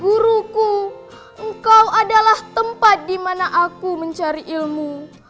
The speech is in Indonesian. guruku engkau adalah tempat dimana aku mencari ilmu